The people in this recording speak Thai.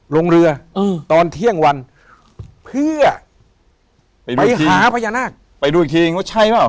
ลงเรืออืมตอนเที่ยงวันเพื่อไปหาพญานาคไปดูอีกทีว่าใช่เปล่า